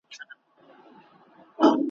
ظلم په محکمه کي ,